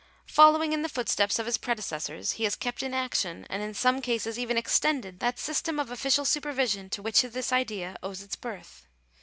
Following in the steps of his predecessors, he has kept in action, and in some cases even extended, that system of official supervision to which this idea owes its birth.